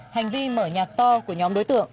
hành vi mở nhạc to của nhóm đối tượng